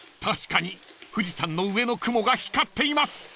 ［確かに富士山の上の雲が光っています］